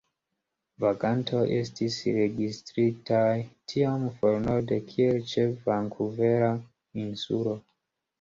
Vagantoj estis registritaj tiom for norde kiel ĉe Vankuvera Insulo.